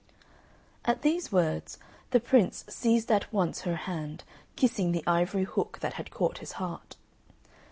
At these words the Prince seized at once her hand, kissing the ivory hook that had caught his heart.